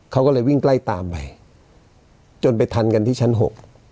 เขาก็เลยวิ่งไล่ตามไปจนไปทันกันที่ชั้นหก